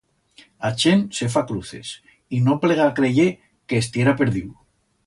A chent se fa cruces y no plega a creyer que estiera perdiu.